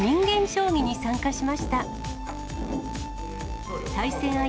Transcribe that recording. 将棋に参加しました。